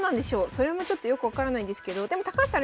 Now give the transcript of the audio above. それもちょっとよく分からないんですけどでも高橋さん